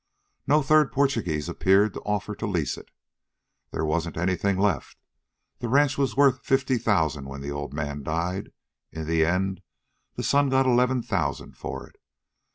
No third Portuguese appeared to offer to lease it. There wasn't anything left. That ranch was worth fifty thousand when the old man died. In the end the son got eleven thousand for it.